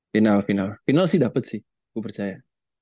final final final sih dapet sih gue percaya